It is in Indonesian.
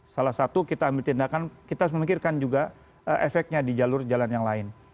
salah satu kita ambil tindakan kita harus memikirkan juga efeknya di jalur jalan yang lain